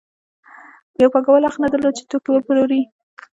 یو پانګوال حق نه درلود چې توکي وپلوري